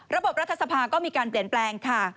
รัฐสภาก็มีการเปลี่ยนแปลงค่ะ